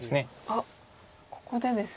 あっここでですね